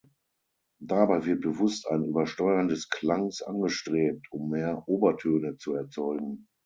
Dabei wird bewusst ein Übersteuern des Klangs angestrebt, um mehr Obertöne zu erzeugen.